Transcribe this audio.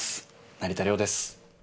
成田凌です。